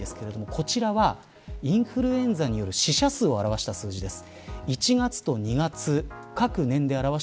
こちらはインフルエンザによる死者数を表した数字です。